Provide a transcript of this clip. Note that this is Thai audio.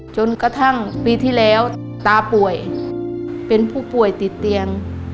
จนกระทั่งปีที่แล้วตาป่วยเป็นผู้ป่วยติดเตียง